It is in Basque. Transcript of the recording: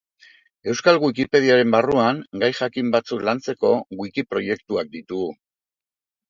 Euskal Wikipediaren barruan gai jakin batzuk lantzeko, wikiproiektuak ditugu.